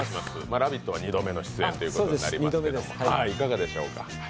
「ラヴィット！」は２度目の出演ということになりますが、いかがでしょうか？